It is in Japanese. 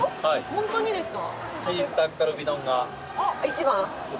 本当にですか？